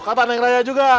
kata neng raya juga